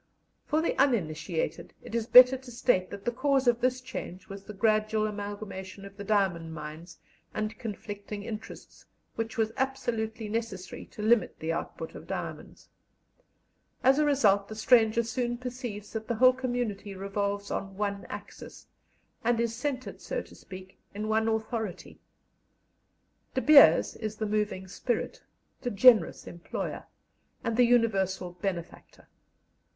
For the uninitiated it is better to state that the cause of this change was the gradual amalgamation of the diamond mines and conflicting interests, which was absolutely necessary to limit the output of diamonds. As a result the stranger soon perceives that the whole community revolves on one axis, and is centred, so to speak, in one authority. "De Beers" is the moving spirit, the generous employer, and the universal benefactor.